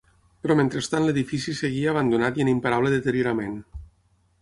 Però mentrestant l'edifici seguia abandonat i en imparable deteriorament.